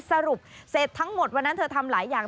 สรุปเสร็จทั้งหมดวันนั้นเธอทำหลายอย่าง